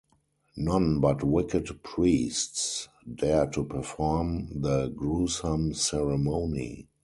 None but wicked priests dare to perform the gruesome ceremony.